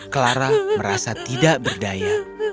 clara merasa tidak berdaya